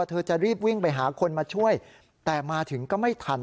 เธอจะรีบวิ่งไปหาคนมาช่วยแต่มาถึงก็ไม่ทัน